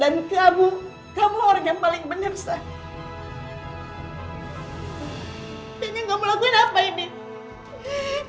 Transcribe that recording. yang selalu kamu lakuin adalah kamu mencari dia sendiri